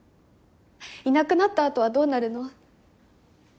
いなくなった後はどうなるの？